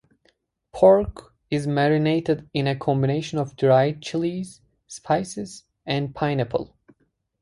Pork is marinated in a combination of dried chilies, spices and pineapple.